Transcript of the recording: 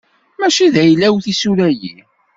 Mačči d ayla-w tisura-yi.